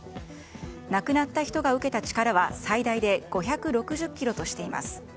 亡くなった人が受けた力は最大で５６０ｋｇとしています。